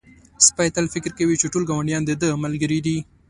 سپی تل فکر کوي چې ټول ګاونډیان د ده ملګري دي.